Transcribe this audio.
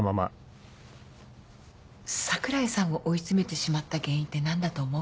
櫻井さんを追い詰めてしまった原因って何だと思う？